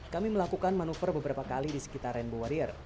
kami melakukan manuver beberapa kali di sekitar rainbow warrior